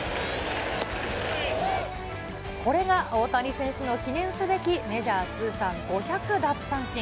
これが大谷選手の記念すべきメジャー通算５００奪三振。